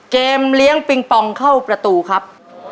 เลี้ยงปิงปองเข้าประตูครับ